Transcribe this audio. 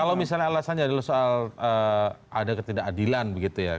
kalau misalnya alasannya adalah soal ada ketidakadilan begitu ya